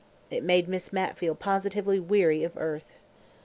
It made Miss Mapp feel positively weary of earth.